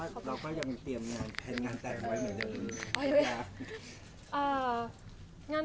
ขอบคุณครับ